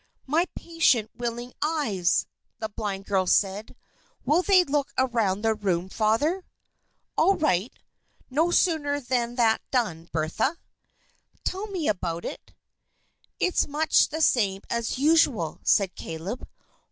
"My patient, willing eyes!" the blind girl said. "Will they look around the room, Father?" "All right, no sooner said than done, Bertha." "Tell me about it." "It's much the same as usual," said Caleb.